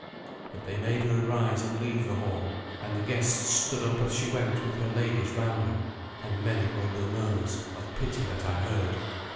But they made her rise and leave the hall; and the guests stood up as she went with her ladies round her, and many were the murmurs of pity that I heard.